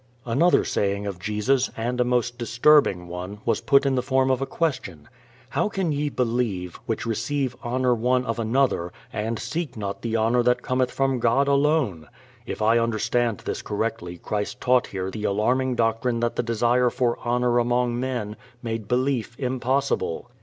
Another saying of Jesus, and a most disturbing one, was put in the form of a question, "How can ye believe, which receive honour one of another, and seek not the honour that cometh from God alone?" If I understand this correctly Christ taught here the alarming doctrine that the desire for honor among men made belief impossible.